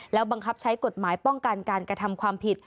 แล้วบังคับใช้กฎหมายป้องกันการกระทำความผิด